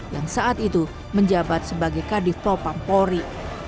yang saat itu menjabat sebagai kadif propampori